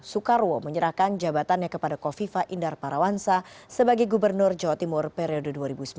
soekarwo menyerahkan jabatannya kepada kofifa indar parawansa sebagai gubernur jawa timur periode dua ribu sembilan belas dua ribu dua